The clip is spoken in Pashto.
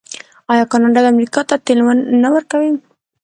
آیا کاناډا امریکا ته تیل نه ورکوي؟